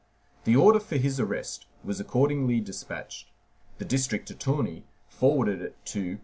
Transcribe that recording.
The order for his arrest was accordingly despatched. The district attorney forwarded it to M.